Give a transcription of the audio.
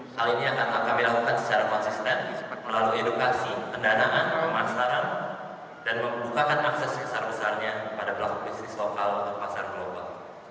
hal ini akan kami lakukan secara konsisten melalui edukasi pendanaan pemasaran dan membukakan akses besar besarnya pada pelaku bisnis lokal pasar global